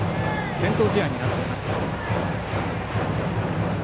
点灯試合になっています。